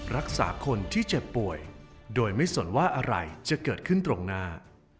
รักษาคนที่เจ็บป่วยโดยไม่สนว่าอะไรจะเกิดขึ้นตรงหน้า